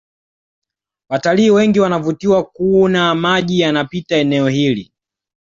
Watalii wengi wanavutiwa kuna maji yanapita eneo hili